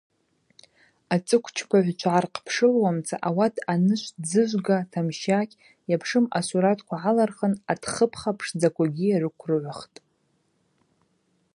Ацӏыквчпагӏвчва гӏархъпшылуамца ауат анышв дзыжвга, тамщакь, йапшым асуратква гӏалырхын атхыпха пшдзаквагьи рыкврыгӏвхтӏ.